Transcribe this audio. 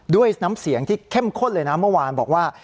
ด้วยน้ำเสียงที่เข้มข้นเลยนะเมื่อวานบอกว่า